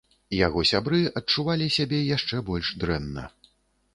Яго сябры адчувалі сябе яшчэ больш дрэнна.